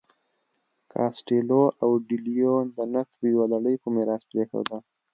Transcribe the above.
کاسټیلو او ډي لیون د نسب یوه لړۍ په میراث پرېښوده.